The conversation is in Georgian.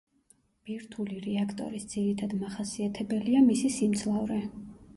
ბირთვული რეაქტორის ძირითად მახასიათებელია მისი სიმძლავრე.